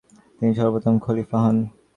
তিনি সর্বপ্রথম খলিফা হন।